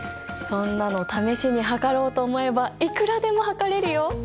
そんなの試しに測ろうと思えばいくらでも測れるよ！